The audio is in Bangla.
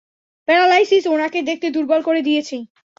প্যারালাইসিস ওনাকে দেখতে দুর্বল করে দিয়েছে।